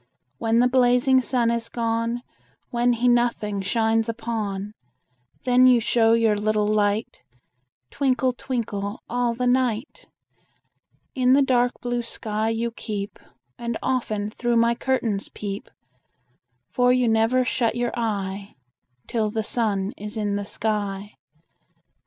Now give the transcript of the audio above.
When the blazing sun is gone, When he nothing shines upon, Then you show your little light, Twinkle, twinkle, all the night. In the dark blue sky you keep, And often through my curtains peep; For you never shut your eye Till the sun is in the sky.